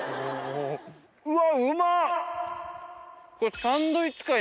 うわうまっ！